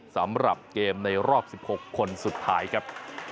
สำหรับเกมในรอบ๑๖คนสุดท้ายครับ